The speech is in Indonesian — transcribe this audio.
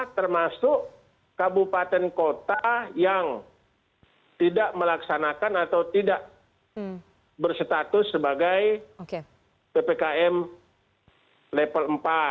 termasuk kabupaten kota yang tidak melaksanakan atau tidak berstatus sebagai ppkm level empat